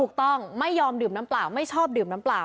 ไม่ยอมดื่มน้ำเปล่าไม่ชอบดื่มน้ำเปล่า